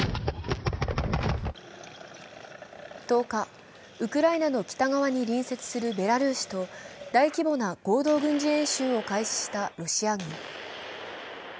１０日、ウクライナの北側に隣接するベラルーシと、大規模な合同軍事演習を開始したロシア軍。